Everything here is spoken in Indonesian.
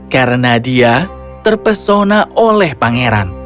karena dia terpesona oleh pangeran